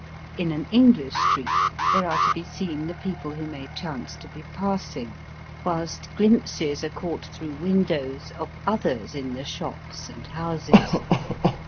In an Enghsh street, there are to be seen the people who may chance to be passing, whilst ghmpses are caught through windows of others in the shops and houses.